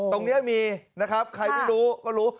ตรงนี้มีนะครับใครไม่รู้ก็รู้